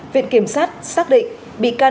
viện kiểm soát xác định bị can